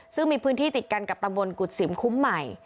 ซึ่งมีพื้นที่ติดกันกับตำบลกุศิมคุ้มใหม่